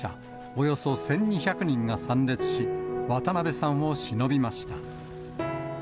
およそ１２００人が参列し、渡辺さんをしのびました。